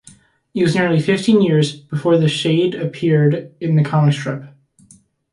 It was nearly fifteen years before Shayde reappeared in the comic strip.